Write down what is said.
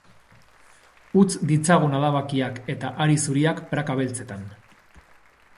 Utz ditzagun adabakiak eta hari zuriak praka beltzetan.